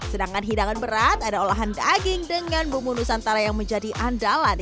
sedangkan hidangan berat ada olahan daging dengan bumbu nusantara yang menjadi andalan